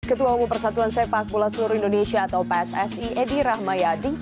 ketua bupersatuan sepak bula seluruh indonesia atau pssi edi rahmayadi